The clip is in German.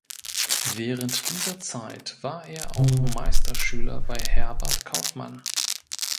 Während dieser Zeit war er auch Meisterschüler bei Herbert Kaufmann.